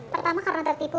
pertama karena tertipu